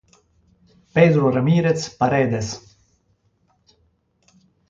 Pedro Ramírez Paredes